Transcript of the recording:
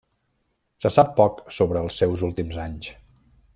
Se sap poc sobre els seus últims anys.